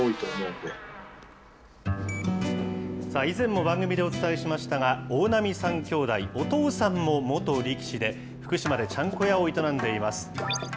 以前も番組でお伝えしましたが、大波３兄弟、お父さんも元力士で、福島でちゃんこ屋を営んでいます。